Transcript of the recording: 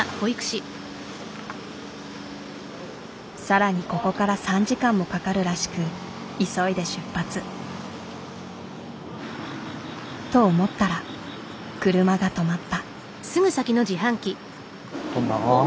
更にここから３時間もかかるらしく急いで出発。と思ったら車が止まった。